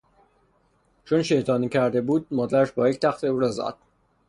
چون شیطانی کرده بود مادرش با یک تخته او را زد.